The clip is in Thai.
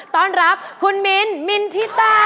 ต้อนรับคุณมิ้นมินทิตา